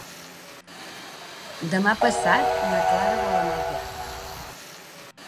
Demà passat na Clara vol anar al teatre.